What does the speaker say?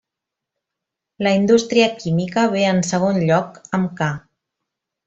La indústria química ve en segon lloc amb ca.